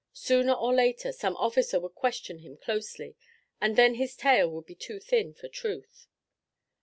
Sooner or later, some officer would question him closely, and then his tale would be too thin for truth.